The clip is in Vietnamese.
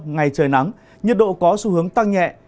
ngày trời nắng nhiệt độ có xu hướng tăng nhẹ